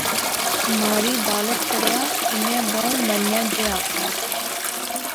مہاڑی دالت کریا۔۔۔ انیں بہوں مرنیاں جئے آخیا